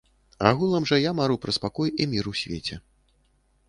Агулам жа я мару пра спакой і мір у свеце.